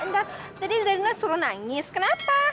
ntar tadi zarina suruh nangis kenapa